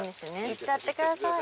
いっちゃってください。